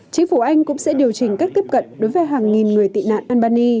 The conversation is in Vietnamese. chính phủ anh cũng sẽ điều chỉnh cách tiếp cận đối với hàng nghìn người tị nạn albany